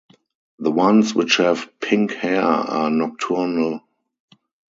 The ones which have pink hair are nocturnal.